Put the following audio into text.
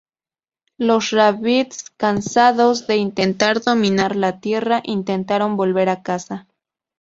Los Rabbids, cansados de intentar dominar la tierra, intentan volver a su casa.